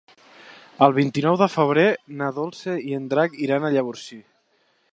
El vint-i-nou de febrer na Dolça i en Drac iran a Llavorsí.